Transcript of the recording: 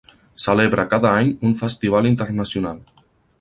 Celebra cada any un festival internacional.